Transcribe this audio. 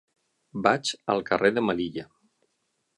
Vaig al carrer de Melilla.